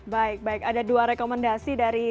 baik baik ada dua rekomendasi dari